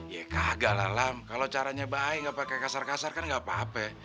ya kagak lah lam kalo caranya baik gak pake kasar kasar kan gak apa apa